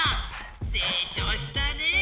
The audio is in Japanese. せいちょうしたねえ！